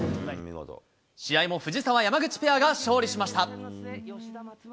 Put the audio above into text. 試合も藤澤・山口ペアが勝利しました。